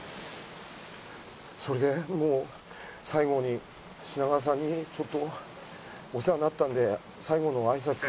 それでもう最後に品川さんにちょっとお世話になったんで最後のあいさつもありますし